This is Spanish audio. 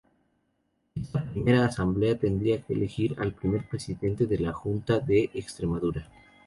Esta primera Asamblea tendría que elegir al primer presidente de la Junta de Extremadura.